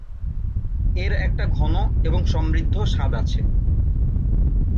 এর একটা ঘন এবং সমৃদ্ধ স্বাদ আছে।